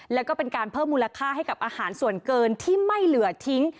แล้วก็เป็นการเพิ่มมูลค่าให้กับอาหารส่วนเกินที่ไม่เหลือทิ้ง